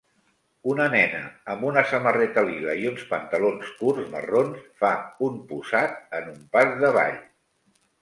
Una nena amb una samarreta lila i uns pantalons curts marrons fa un posat en un pas de ball.